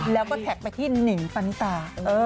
แล้วก็แท็กไปที่หนิงปานิตา